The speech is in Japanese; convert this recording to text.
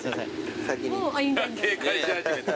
警戒し始めた。